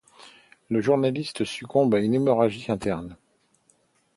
Le journaliste succombe à une hémorragie interne.